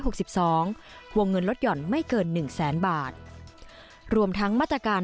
สองวงเงินลดหย่อนไม่เกินหนึ่งแสนบาทรวมทั้งมาตรการ